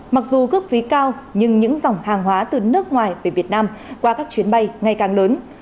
mặc dù gốc ví cao nhưng những dòng hàng hóa từ nước ngoài về việt nam qua các chuyến bay ngày càng lớn